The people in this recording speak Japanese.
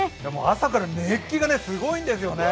朝から熱気がすごいんですよね。